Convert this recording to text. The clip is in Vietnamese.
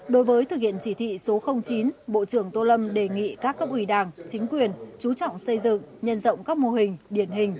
đối với thực hiện chỉ thị số chín bộ trưởng tô lâm đề nghị các cấp ủy đảng chính quyền chú trọng xây dựng nhân rộng các mô hình điển hình